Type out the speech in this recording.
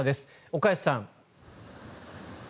岡安さん。